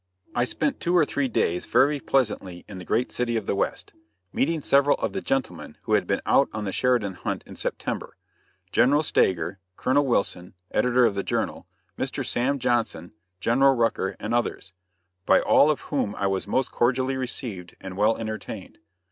I spent two or three days very pleasantly in the great city of the West, meeting several of the gentlemen who had been out on the Sheridan hunt in September General Stager, Colonel Wilson, editor of the Journal; Mr. Sam Johnson, General Rucker and others by all of whom I was most cordially received and well entertained.